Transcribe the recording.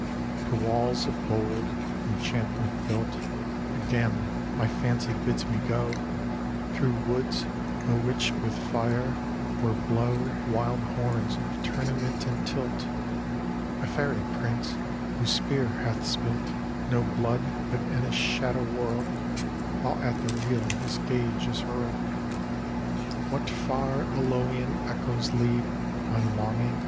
To walls of gold, Enchantment built, Again my fancy bids me go Through woods, bewitched with fire, where blow Wild horns of tournament and tilt A fairy prince, whose spear hath spilt No blood but in a shadow world, While at the real his gage is hurled. What far, æolian echoes lead My longing?